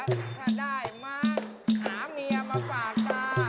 ถ้าได้มาหาเมียมาฝากตา